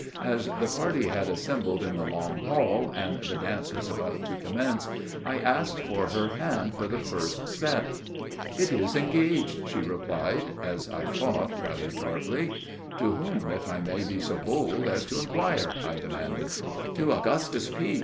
As the party had assembled in the long hall, and the dance was about to commence, I asked for her hand for the first set." 'It is engaged,' she replied, as I thought, rather tartly. 'To whom, if I may be so bold as to inquire?' I demanded. 'To Augustus P.